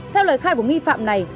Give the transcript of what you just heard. theo lời khai của nghi phạm này